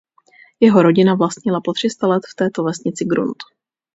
Jeho rodina vlastnila po tři sta let v této vesnici grunt.